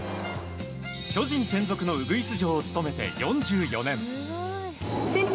巨人専属のウグイス嬢を務めて４５年。